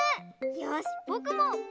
よしぼくも！